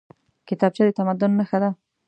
کتابچه د تمدن نښه ده